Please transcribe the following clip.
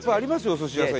お寿司屋さん